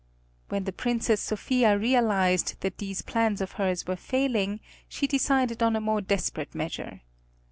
When the Princess Sophia realized that these plans of hers were failing, she decided on a more desperate measure.